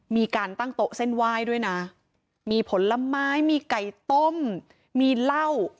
มีการตั้งโต๊ะเส้นไหว้ด้วยนะมีผลไม้มีไก่ต้มมีเหล้า